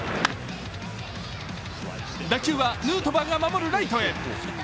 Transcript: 打球はヌートバーが守るライトへ。